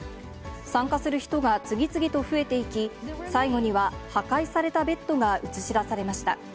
参加する人が次々と増えていき、最後には破壊されたベッドが映し出されました。